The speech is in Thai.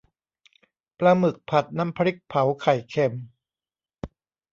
ปลาหมึกผัดน้ำพริกเผาไข่เค็ม